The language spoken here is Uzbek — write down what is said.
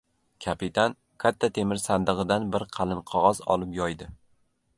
Kapitan katta temir sandig‘idan bir qalin qog‘oz olib yoydi.